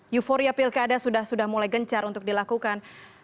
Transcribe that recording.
euforia pilkada sudah sudah mulai gencar untuk dilakukan